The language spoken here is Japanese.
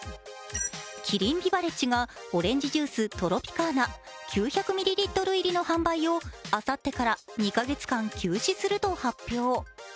キリンビバレッジが、オレンジジュースＴｒｏｐｉｃａｎａ９００ミリリットル入りの販売を、あさってから２カ月間、休止すると発表。